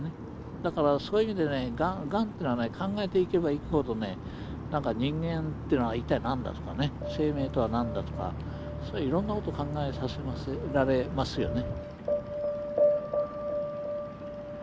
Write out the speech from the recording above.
だからそういう意味でがんというのは考えていけばいくほど人間とは一体何だとか生命とは何だとかそういういろんなことを考えさせられますよね。